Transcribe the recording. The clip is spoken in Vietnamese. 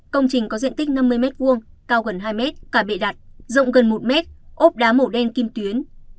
công trình có diện tích năm mươi m hai cao gần hai m cả bệ đặt rộng gần một m ốp đá màu đen kim tuyến